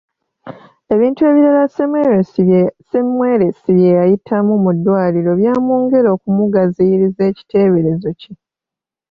Ebintu ebirala Semmelwesi bye yayitamu mu ddwaliro byamwongera okumugaziyiriza ekiteeberezo kye.